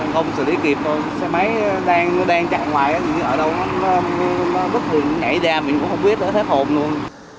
không xử lý kịp thôi xe máy đang chạy ngoài thì ở đâu nó bất thường nhảy ra mình cũng không biết nữa thấy khổn luôn